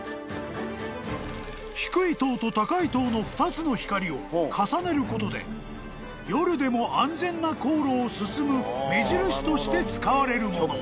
［低い塔と高い塔の２つの光を重ねることで夜でも安全な航路を進む目印として使われるもの］